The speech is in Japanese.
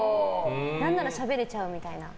何ならしゃべれちゃうみたいな。